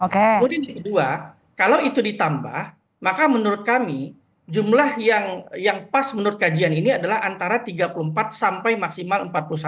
kemudian yang kedua kalau itu ditambah maka menurut kami jumlah yang pas menurut kajian ini adalah antara tiga puluh empat sampai maksimal empat puluh satu